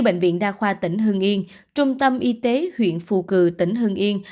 bệnh viện đa khoa tỉnh hương yên trung tâm y tế huyện phù cử tỉnh hương yên